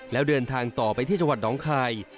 แล้วเดินทางต่อไปที่จังหวัดน้องคาย